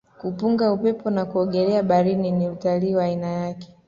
kupunga upepo na kuogelea baharini ni utalii wa aina yake